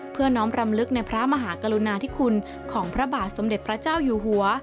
น้อมรำลึกในพระมหากรุณาธิคุณของพระบาทสมเด็จพระเจ้าอยู่หัว